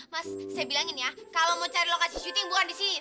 mas saya bilangin ya kalau mau cari lokasi syuting bukan di sini